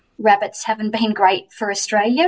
kekuatan kakak tidak baik untuk australia